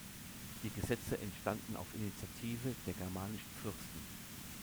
Die Gesetze entstanden auf Initiative der germanischen Fürsten.